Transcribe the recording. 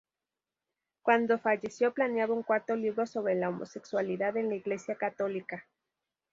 Cuando falleció planeaba un cuarto libro sobre la homosexualidad en la Iglesia católica.